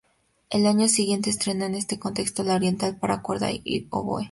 Al año siguiente, estrenó en este contexto la "Oriental" para cuerda y oboe.